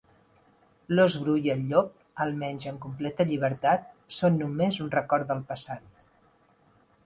L'ós bru i el llop, almenys en completa llibertat, són només un record del passat.